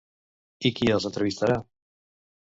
I qui els entrevistarà?